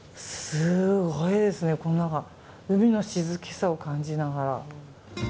すごいですね、この何か海の静けさを感じながら。